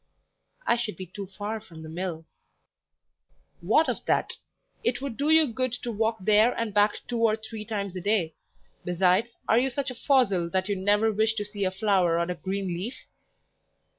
"I should be too far from the mill." "What of that? It would do you good to walk there and back two or three times a day; besides, are you such a fossil that you never wish to see a flower or a green leaf?"